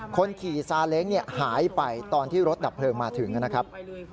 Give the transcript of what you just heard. คนขี่ซาเล้งหายไปตอนที่รถดับเพลิงมาถึงนะครับ